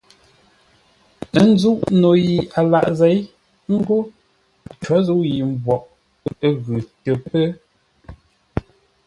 Ə́ nzúʼ no yi a lǎʼ zěi, ə́ ngó: có zə̂u yǐ mboʼ ə́ ghʉ tə pə́.